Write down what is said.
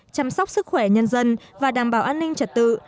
chăm sóc sức khỏe nhân dân và đảm bảo an ninh trật tự